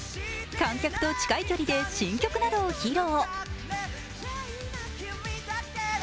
観客と近い距離で新曲などを披露。